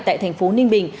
tại thành phố ninh bình